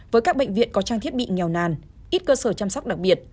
với các bệnh viện có trang thiết bị nghèo nàn ít cơ sở chăm sóc đặc biệt